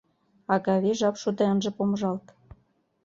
Агавий жап шуде ынже помыжалт.